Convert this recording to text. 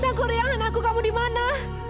sakuriang anakku kamu dimana